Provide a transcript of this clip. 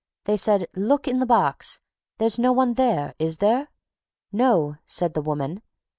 They said, 'Look in the box: there's no one there, is there?' 'No,' said the woman.